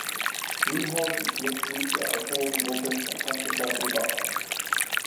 Niehaus ist Mitglied der Autorengruppe „Phantastischer Oberrhein“.